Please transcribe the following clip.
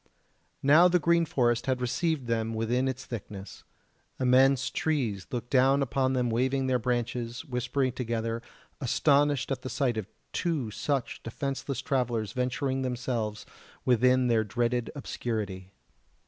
Now the green forest had received them within its thickness; immense trees looked down upon them waving their branches, whispering together, astonished at the sight of two such defenceless travellers venturing themselves within their dreaded obscurity.